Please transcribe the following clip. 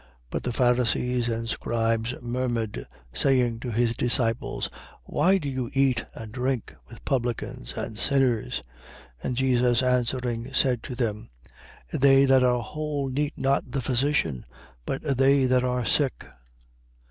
5:30. But the Pharisees and scribes murmured, saying to his disciples: Why do you eat and drink with publicans and sinners? 5:31. And Jesus answering, said to them: They that are whole need not the physician: but they that are sick.